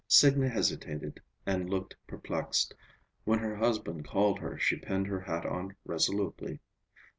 Signa hesitated and looked perplexed. When her husband called her, she pinned her hat on resolutely.